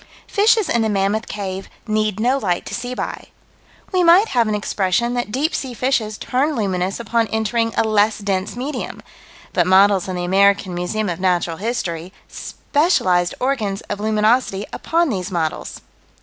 Fishes in the Mammoth Cave need no light to see by. We might have an expression that deep sea fishes turn luminous upon entering a less dense medium but models in the American Museum of Natural History: specialized organs of luminosity upon these models.